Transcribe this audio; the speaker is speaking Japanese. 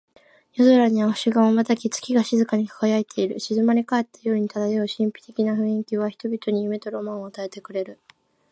夜空には星が瞬き、月が静かに輝いている。静まり返った夜に漂う神秘的な雰囲気は、人々に夢とロマンを与えてくれる。